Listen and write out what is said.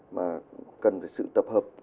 mà cần sự tập hợp